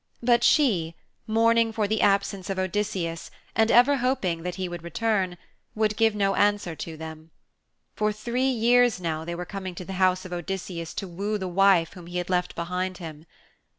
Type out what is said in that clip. But she, mourning for the absence of Odysseus and ever hoping that he would return, would give no answer to them. For three years now they were coming to the house of Odysseus to woo the wife whom he had left behind him.